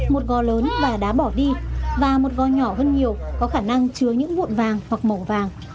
một gò lớn và đá bỏ đi và một gò nhỏ hơn nhiều có khả năng chứa những bụi vàng hoặc màu vàng